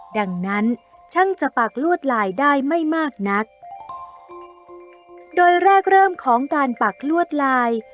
ดังนั้นช่างจะปักลวดลายได้ไม่มากนักโดยแรกเริ่มของการปักลวดลาย